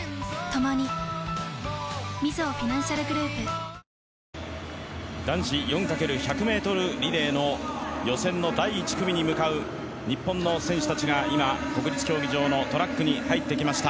万感の思いがこもったリオからの５年という時間男子４×１００ｍリレーの予選の第１組に向かう日本の選手たちが今、国立競技場のトラックに入ってきました。